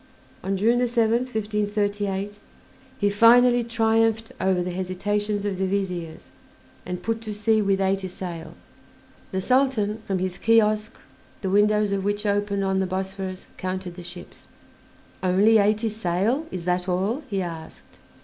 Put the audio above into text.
On June 7th, 1538, he finally triumphed over the hesitations of the Viziers and put to sea with eighty sail. The Sultan, from his kiosk, the windows of which opened on the Bosphorus, counted the ships. "Only eighty sail; is that all?" he asked.